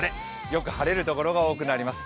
よく晴れるところが多くなります。